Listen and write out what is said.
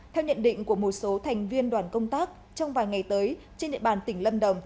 theo nhận định của một số thành viên đoàn công tác trong vài ngày tới trên địa bàn tỉnh lâm đồng